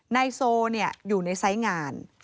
ในโซ่อยู่ในไซด์งาน